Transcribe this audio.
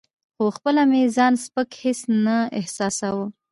خو خپله مې ځان سپک هیڅ نه احساساوه.